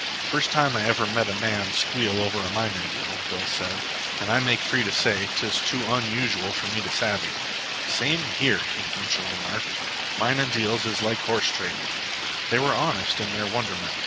"First time I ever hear a man squeal over a minin' deal," Bill said. "An' I make free to say 'tis too onusual for me to savvy." "Same here," Kink Mitchell remarked. "Minin' deals is like horse tradin'." They were honest in their wonderment.